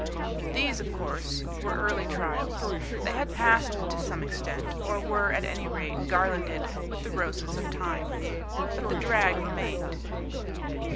These, of course, were early trials. They had passed to some extent, or were, at any rate, garlanded with the roses of time. But the drag remained.